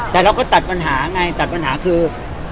แต่เราก็ตัดปัญหาไงตัดปัญหาคือ